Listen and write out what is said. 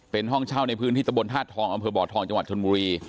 เป็นห้องเช่าในพื้นที่ตธอำเผือบอทธองจังหวัดธนบุรี